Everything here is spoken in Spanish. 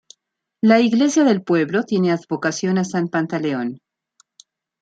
La iglesia del pueblo tiene advocación a San Pantaleón.